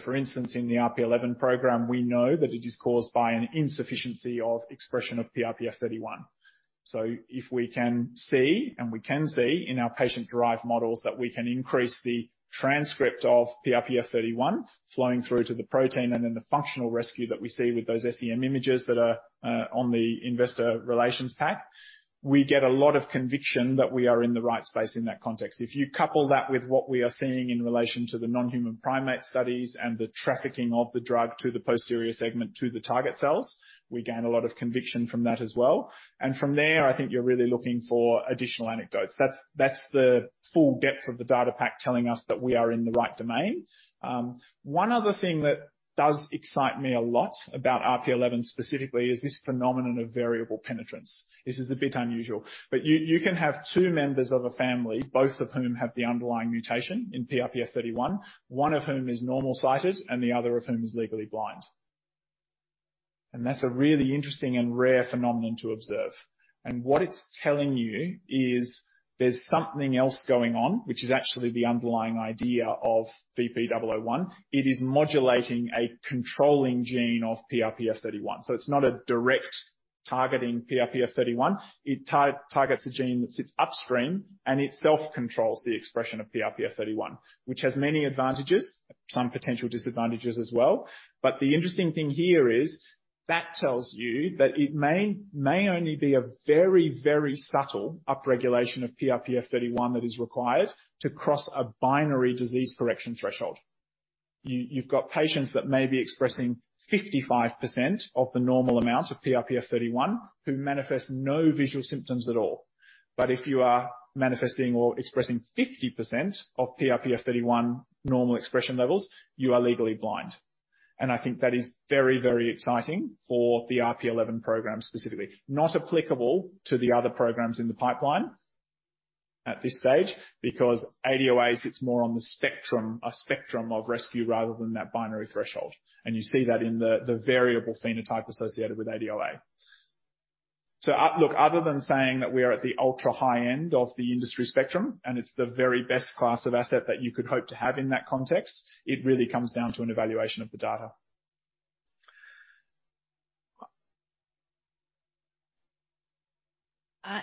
For instance, in the RP11 program, we know that it is caused by an insufficiency of expression of PRPF31. If we can see, and we can see in our patient-derived models, that we can increase the transcript of PRPF31 flowing through to the protein and then the functional rescue that we see with those SEM images that are on the investor relations pack. We get a lot of conviction that we are in the right space in that context. If you couple that with what we are seeing in relation to the non-human primate studies and the trafficking of the drug to the posterior segment to the target cells, we gain a lot of conviction from that as well. From there, I think you're really looking for additional anecdotes. That's the full depth of the data pack telling us that we are in the right domain. One other thing that does excite me a lot about RP11 specifically is this phenomenon of variable penetrance. This is a bit unusual, but you can have two members of a family, both of whom have the underlying mutation in PRPF31, one of whom is normal sighted and the other of whom is legally blind. That's a really interesting and rare phenomenon to observe. What it's telling you is there's something else going on, which is actually the underlying idea of VP-001. It is modulating a controlling gene of PRPF31. It's not a direct targeting PRPF31. It targets a gene that sits upstream and itself controls the expression of PRPF31, which has many advantages, some potential disadvantages as well. The interesting thing here is that tells you that it may only be a very, very subtle upregulation of PRPF31 that is required to cross a binary disease correction threshold. You've got patients that may be expressing 55% of the normal amount of PRPF31 who manifest no visual symptoms at all. If you are manifesting or expressing 50% of PRPF31 normal expression levels, you are legally blind. I think that is very, very exciting for the RP11 program specifically. Not applicable to the other programs in the pipeline at this stage, because ADOA sits more on the spectrum of rescue rather than that binary threshold. You see that in the variable phenotype associated with ADOA. Look, other than saying that we are at the ultra-high end of the industry spectrum, and it's the very best class of asset that you could hope to have in that context, it really comes down to an evaluation of the data.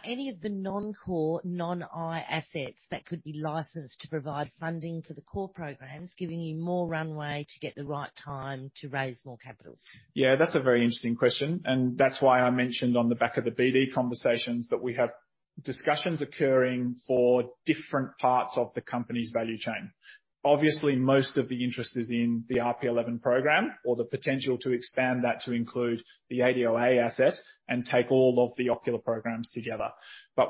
Any of the non-core, non-eye assets that could be licensed to provide funding for the core programs, giving you more runway to get the right time to raise more capital? Yeah, that's a very interesting question, and that's why I mentioned on the back of the BD conversations that we have discussions occurring for different parts of the company's value chain. Obviously, most of the interest is in the RP11 program or the potential to expand that to include the ADOA asset and take all of the ocular programs together.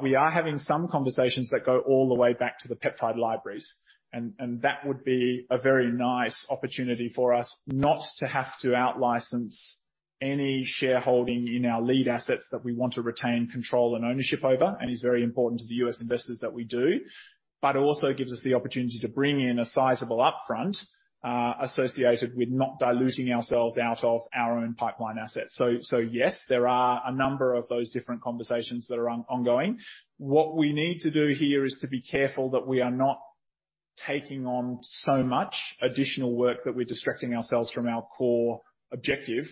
We are having some conversations that go all the way back to the peptide libraries, and that would be a very nice opportunity for us not to have to out-license any shareholding in our lead assets that we want to retain control and ownership over, and is very important to the U.S. investors that we do. It also gives us the opportunity to bring in a sizable upfront associated with not diluting ourselves out of our own pipeline assets. Yes, there are a number of those different conversations that are ongoing. What we need to do here is to be careful that we are not taking on so much additional work that we're distracting ourselves from our core objective,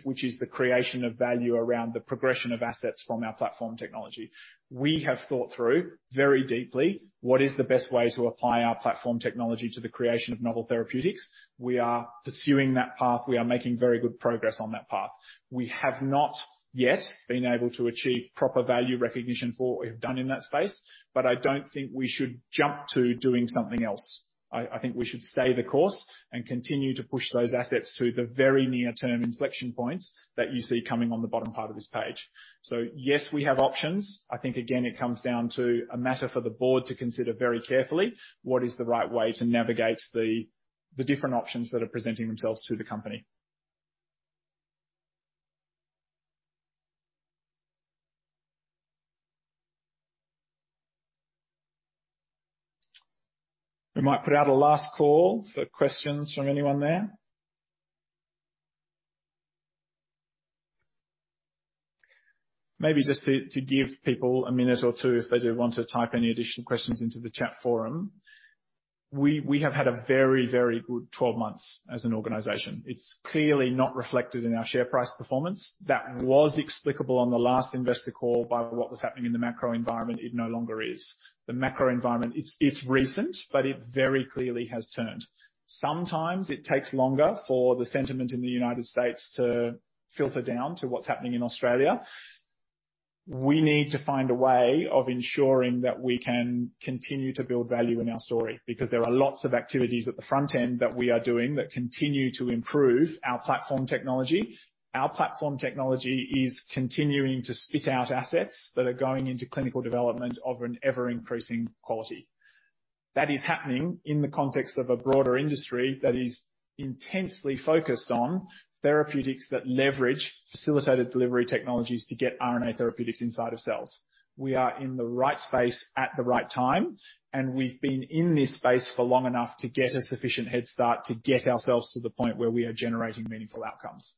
which is the creation of value around the progression of assets from our platform technology. We have thought through very deeply what is the best way to apply our platform technology to the creation of novel therapeutics. We are pursuing that path. We are making very good progress on that path. We have not yet been able to achieve proper value recognition for what we've done in that space, but I don't think we should jump to doing something else. I think we should stay the course and continue to push those assets to the very near-term inflection points that you see coming on the bottom part of this page. Yes, we have options. I think, again, it comes down to a matter for the board to consider very carefully what is the right way to navigate the different options that are presenting themselves to the company. We might put out a last call for questions from anyone there. Maybe just to give people a minute or two if they do want to type any additional questions into the chat forum. We have had a very good 12 months as an organization. It's clearly not reflected in our share price performance. That was explicable on the last investor call by what was happening in the macro environment. It no longer is. The macro environment, it's recent, but it very clearly has turned. Sometimes it takes longer for the sentiment in the United States to filter down to what's happening in Australia. We need to find a way of ensuring that we can continue to build value in our story, because there are lots of activities at the front end that we are doing that continue to improve our platform technology. Our platform technology is continuing to spit out assets that are going into clinical development of an ever-increasing quality. That is happening in the context of a broader industry that is intensely focused on therapeutics that leverage facilitated delivery technologies to get RNA therapeutics inside of cells. We are in the right space at the right time, and we've been in this space for long enough to get a sufficient head start to get ourselves to the point where we are generating meaningful outcomes.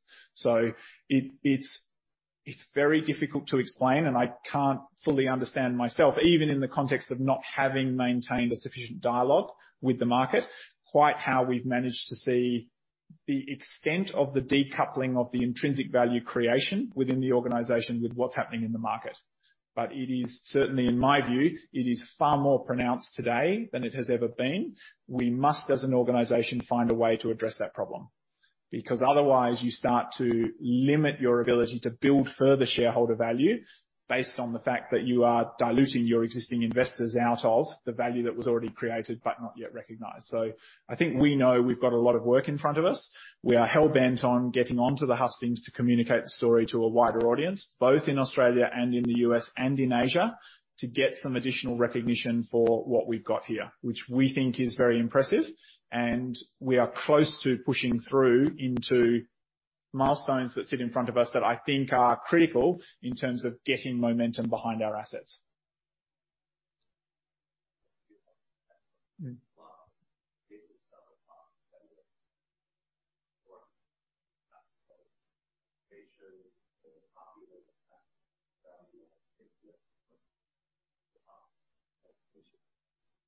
It's very difficult to explain, and I can't fully understand myself, even in the context of not having maintained a sufficient dialogue with the market, quite how we've managed to see the extent of the decoupling of the intrinsic value creation within the organization with what's happening in the market. It is certainly, in my view, far more pronounced today than it has ever been. We must, as an organization, find a way to address that problem, because otherwise you start to limit your ability to build further shareholder value based on the fact that you are diluting your existing investors out of the value that was already created but not yet recognized. I think we know we've got a lot of work in front of us. We are hell-bent on getting onto the hustings to communicate the story to a wider audience, both in Australia and in the US and in Asia, to get some additional recognition for what we've got here, which we think is very impressive. We are close to pushing through into milestones that sit in front of us that I think are critical in terms of getting momentum behind our assets. Well,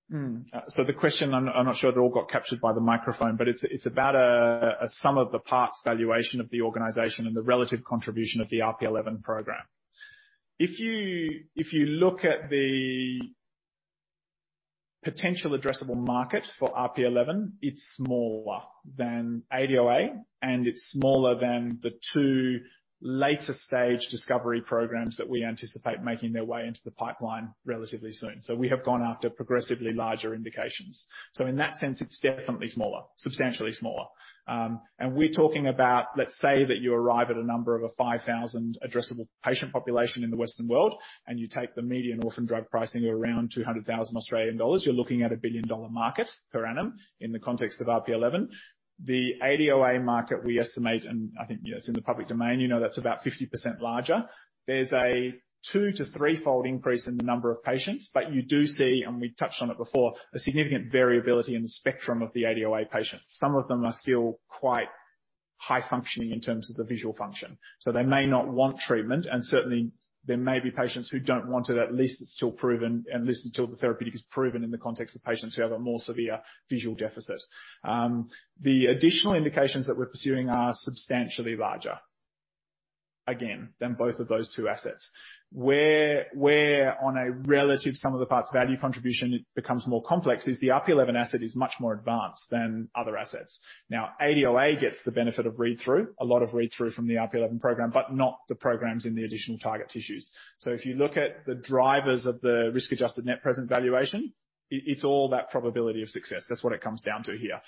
this is some of the parts that. The question, I'm not sure it all got captured by the microphone, but it's about a sum of the parts valuation of the organization and the relative contribution of the RP11 program. If you look at the potential addressable market for RP11, it's smaller than ADOA, and it's smaller than the two later-stage discovery programs that we anticipate making their way into the pipeline relatively soon. We have gone after progressively larger indications. In that sense, it's definitely smaller, substantially smaller. We're talking about, let's say that you arrive at a number of a 5,000 addressable patient population in the Western world, and you take the median orphan drug pricing of around 200,000 Australian dollars, you're looking at a billion-dollar market per annum in the context of RP11. The ADOA market, we estimate, and I think, you know, it's in the public domain, you know that's about 50% larger. There's a 2- to 3-fold increase in the number of patients. You do see, and we touched on it before, a significant variability in the spectrum of the ADOA patients. Some of them are still quite high functioning in terms of the visual function. They may not want treatment, and certainly there may be patients who don't want it. At least it's still proven, and at least until the therapeutic is proven in the context of patients who have a more severe visual deficit. The additional indications that we're pursuing are substantially larger, again, than both of those two assets. Where on a relative sum of the parts value contribution it becomes more complex is the RP11 asset is much more advanced than other assets. Now, ADOA gets the benefit of read-through, a lot of read through from the RP11 program, but not the programs in the additional target tissues. If you look at the drivers of the risk-adjusted net present valuation, it's all about probability of success. That's what it comes down to here.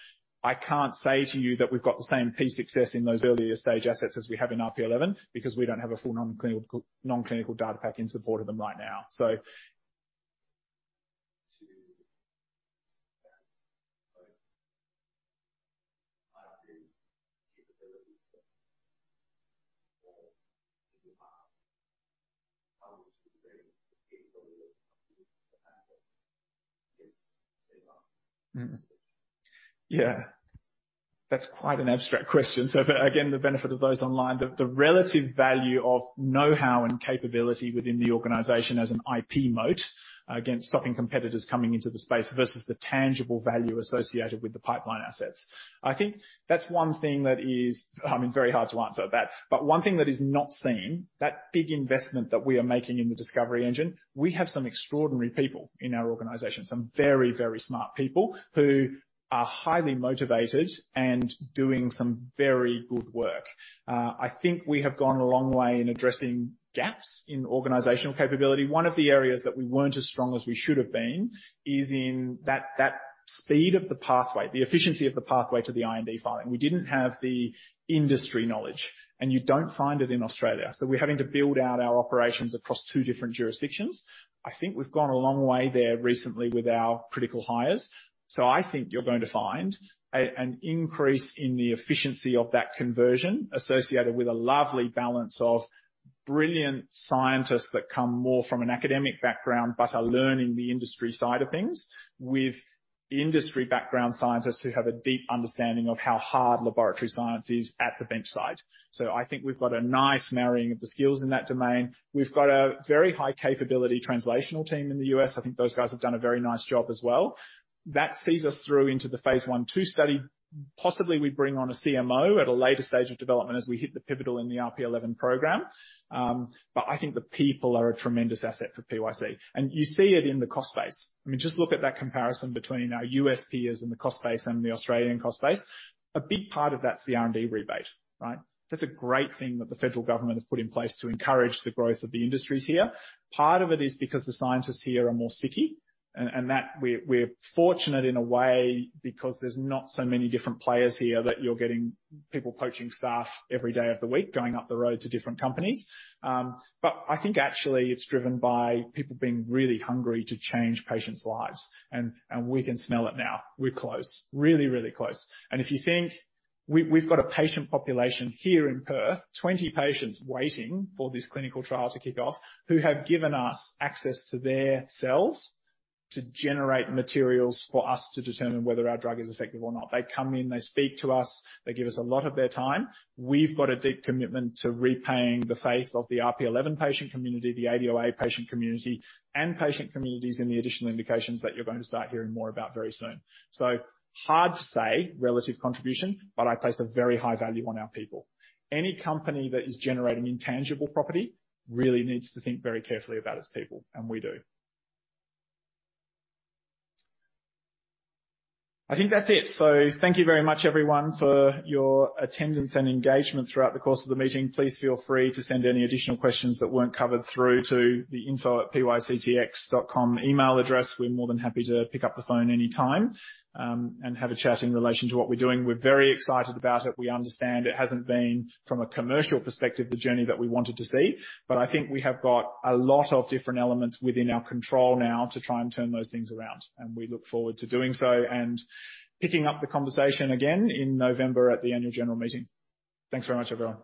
I can't say to you that we've got the same P success in those earlier stage assets as we have in RP11 because we don't have a full non-clinical data pack in support of them right now. To. That's quite an abstract question. Again, the benefit of those online, the relative value of know-how and capability within the organization as an IP moat against stopping competitors coming into the space versus the tangible value associated with the pipeline assets. I think that's one thing that is, I mean, very hard to answer that. One thing that is not seen, that big investment that we are making in the discovery engine, we have some extraordinary people in our organization, some very, very smart people who are highly motivated and doing some very good work. I think we have gone a long way in addressing gaps in organizational capability. One of the areas that we weren't as strong as we should have been is in that speed of the pathway, the efficiency of the pathway to the IND filing. We didn't have the industry knowledge, and you don't find it in Australia. We're having to build out our operations across two different jurisdictions. I think we've gone a long way there recently with our critical hires, so I think you're going to find an increase in the efficiency of that conversion associated with a lovely balance of brilliant scientists that come more from an academic background, but are learning the industry side of things, with industry background scientists who have a deep understanding of how hard laboratory science is at the bench side. I think we've got a nice narrowing of the skills in that domain. We've got a very high capability translational team in the U.S. I think those guys have done a very nice job as well. That sees us through into the Phase I/II study. Possibly we bring on a CMO at a later stage of development as we hit the pivotal in the RP11 program. I think the people are a tremendous asset for PYC, and you see it in the cost base. I mean, just look at that comparison between our U.S. peers and the cost base and the Australian cost base. A big part of that is the R&D rebate, right? That's a great thing that the federal government has put in place to encourage the growth of the industries here. Part of it is because the scientists here are more sited, and that we're fortunate in a way because there's not so many different players here that you're getting people poaching staff every day of the week, going up the road to different companies. I think actually it's driven by people being really hungry to change patients' lives and we can smell it now. We're close. Really, really close. If you think, we've got a patient population here in Perth, 20 patients waiting for this clinical trial to kick off, who have given us access to their cells to generate materials for us to determine whether our drug is effective or not. They come in, they speak to us, they give us a lot of their time. We've got a deep commitment to repaying the faith of the RP11 patient community, the ADOA patient community, and patient communities in the additional indications that you're going to start hearing more about very soon. Hard to say relative contribution, but I place a very high value on our people. Any company that is generating intangible property really needs to think very carefully about its people, and we do. I think that's it. Thank you very much everyone for your attendance and engagement throughout the course of the meeting. Please feel free to send any additional questions that weren't covered through to the info@pyctx.com email address. We're more than happy to pick up the phone anytime, and have a chat in relation to what we're doing. We're very excited about it. We understand it hasn't been, from a commercial perspective, the journey that we wanted to see, but I think we have got a lot of different elements within our control now to try and turn those things around, and we look forward to doing so and picking up the conversation again in November at the annual general meeting. Thanks very much, everyone.